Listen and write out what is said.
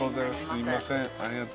すいません。